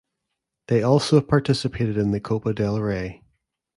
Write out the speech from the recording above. They also participated in the Copa del Rey.